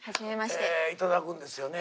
頂くんですよね。